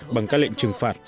bằng các lệnh trừng phạt